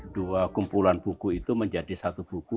dua kumpulan buku itu menjadi satu buku